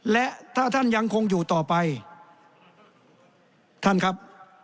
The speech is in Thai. และถ้าท่านยังคงอยู่ต่อไปท่านครับ